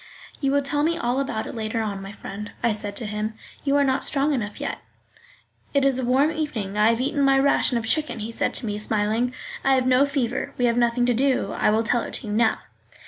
"You will tell me all about it later on, my friend," I said to him; "you are not strong enough yet." "It is a warm evening, I have eaten my ration of chicken," he said to me, smiling; "I have no fever, we have nothing to do, I will tell it to you now."